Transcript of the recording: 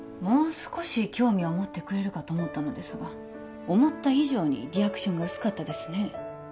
少し興味を持ってくれるかと思ったのですが思った以上にリアクションが薄かったですね